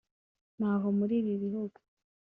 ni aho muri ibi bihugu